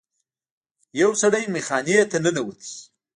یو سړی میخانې ته ننوت.